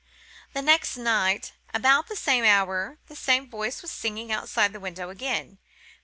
"The next night, about the same hour, the same voice was singing outside the window again.